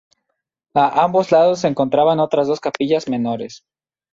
A ambos lados se encontraban otras dos capillas menores.